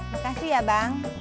makasih ya bang